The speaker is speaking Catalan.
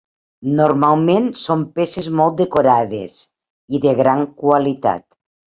Normalment són peces molt decorades i de gran qualitat.